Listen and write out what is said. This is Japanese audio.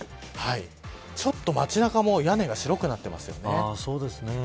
ちょっと街中も屋根が白くなっていますよね。